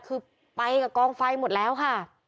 คือไปกับกองไฟหมดแล้วค่ะ